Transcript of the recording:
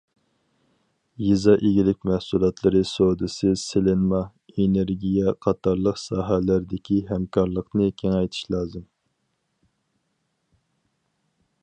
يېزا ئىگىلىك مەھسۇلاتلىرى سودىسى، سېلىنما، ئېنېرگىيە قاتارلىق ساھەلەردىكى ھەمكارلىقنى كېڭەيتىش لازىم.